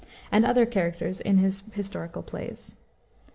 and other characters in his historical plays.